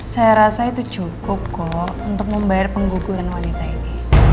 saya rasa itu cukup kok untuk membayar pengguguran wanita ini